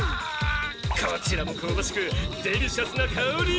こちらもこうばしくデリシャスなかおり！